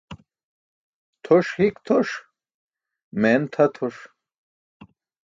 Tʰoṣ hik tʰoṣ, meen tʰa tʰoṣ.